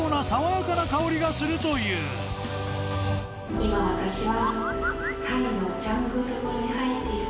今私は。